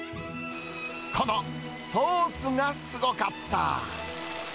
このソースがすごかった。